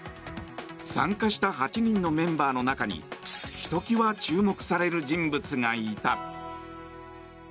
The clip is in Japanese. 参加した８人のメンバーの中にひときわ注目される人物がいた。